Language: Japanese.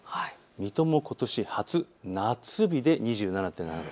水戸もことし初夏日で２７．７度。